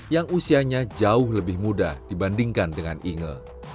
yang usianya jauh lebih muda dibandingkan dengan inge